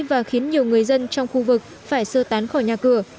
và khiến nhiều người dân trong khu vực phải sơ tán khỏi nhà cửa